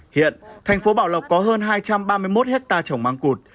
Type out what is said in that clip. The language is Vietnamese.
hiện thành phố bảo lộc có hơn hai trăm ba mươi một hectare trồng măng cụt